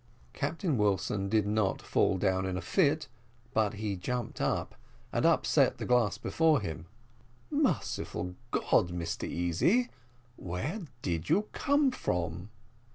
Captain Wilson did not fall down in a fit, but he jumped up and upset the glass before him. "Merciful God! Mr Easy, where did you come from?"